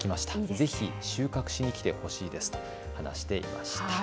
ぜひ収穫しに来てほしいですと話していました。